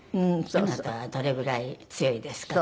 「あなたはどれぐらい強いですか？」